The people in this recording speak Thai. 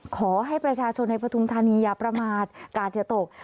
ขอให้ประชาชนในประธุมธานียาประมาทการเที่ยวโต๊ก